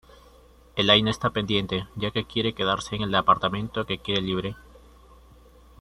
Elaine está pendiente ya que quiere quedarse el apartamento que quede libre.